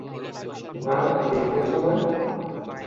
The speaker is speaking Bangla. মা ডেকেছো না?